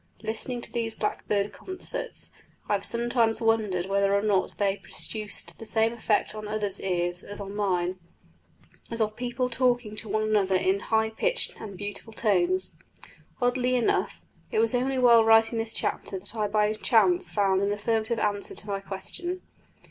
Listening to these blackbird concerts, I have sometimes wondered whether or not they produced the same effect on others' ears as on mine, as of people talking to one another in high pitched and beautiful tones. Oddly enough, it was only while writing this chapter that I by chance found an affirmative answer to my question.